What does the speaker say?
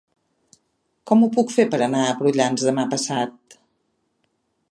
Com ho puc fer per anar a Prullans demà passat?